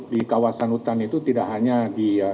di kawasan hutan itu tidak hanya di